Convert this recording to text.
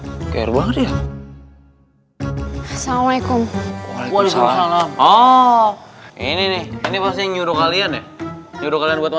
assalamualaikum waalaikumsalam ini ini pasti nyuruh kalian ya udah kalian buat